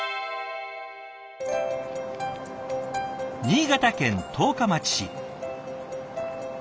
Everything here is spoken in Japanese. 新潟県十日町市。